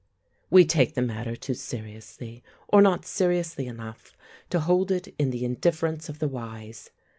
We take the matter too seriously, or not seriously enough, to hold it in the indifference of the wise.